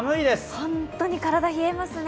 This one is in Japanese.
本当に体、冷えますね。